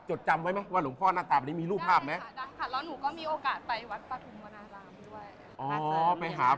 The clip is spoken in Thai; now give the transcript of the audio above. จดจำไว้มาว่าหลวงพ่อน่าตราปนี้มีรูปภาพมั้ยได้ค่ะแล้วหนูก็มีโอกาสไปวัตรปฐุมโวนารามด้วย